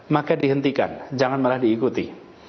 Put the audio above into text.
maka dihentikan jangan malah diikuti